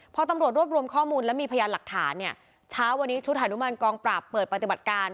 พอตำรวจรวบรวมข้อมูลและมีพยานหลักฐานเนี่ยเช้าวันนี้ชุดหานุมานกองปราบเปิดปฏิบัติการ